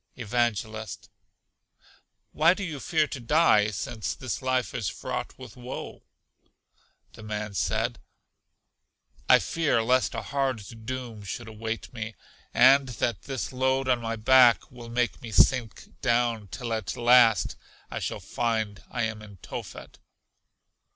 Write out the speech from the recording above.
Evangelist. Why do you fear to die, since this life is fraught with woe? The man said, I fear lest a hard doom should wait me, and that this load on my back will make me sink down, till at last, I shall find I am in Tophet.